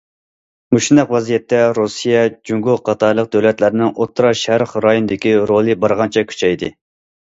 مۇشۇنداق ۋەزىيەتتە رۇسىيە، جۇڭگو قاتارلىق دۆلەتلەرنىڭ ئوتتۇرا شەرق رايونىدىكى رولى بارغانچە كۈچەيدى.